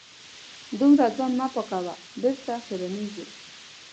دومره ځان مه پاکوه .بېرته خیرنېږې